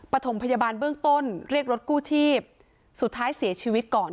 ปฐมพยาบาลเบื้องต้นเรียกรถกู้ชีพสุดท้ายเสียชีวิตก่อน